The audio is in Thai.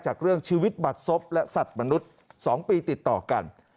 จากเรื่องชีวิตบัตรศพและสัตว์มนุษย์๒ปีติดต่อกัน